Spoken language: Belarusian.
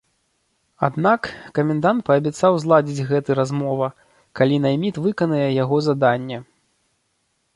Аднак, камендант паабяцаў зладзіць гэты размова, калі найміт выканае яго заданне.